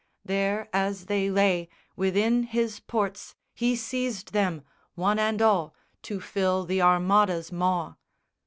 There as they lay Within his ports he seized them, one and all, To fill the Armada's maw.